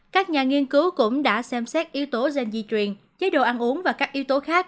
các nhà nghiên cứu cũng đã xem xét yếu tố gen di truyền chế độ ăn uống và các yếu tố khác